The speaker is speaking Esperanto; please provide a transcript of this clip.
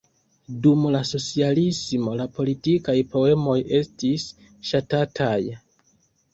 Dum la socialismo la politikaj poemoj estis ŝatataj.